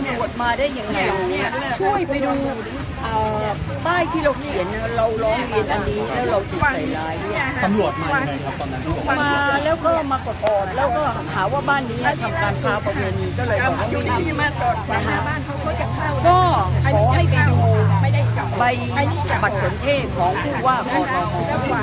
การจัดสรรค์ที่ดินเนี่ยการจัดสรรค์ที่ดินเนี่ยการจัดสรรค์ที่ดินเนี่ยการจัดสรรค์ที่ดินเนี่ยการจัดสรรค์ที่ดินเนี่ยการจัดสรรค์ที่ดินเนี่ยการจัดสรรค์ที่ดินเนี่ยการจัดสรรค์ที่ดินเนี่ยการจัดสรรค์ที่ดินเนี่ยการจัดสรรค์ที่ดินเนี่ยการจัดสรรค์ที่ดินเนี่ยการจัดสรรค์ที่